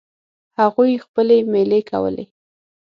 هغوی خپلې میلې کولې.